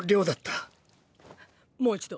もう一度。